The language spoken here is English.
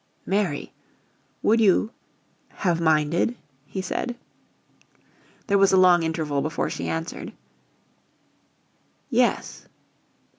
"Mary would you have minded?" he said. There was a long interval before she answered. "Yes."